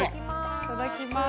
いただきます。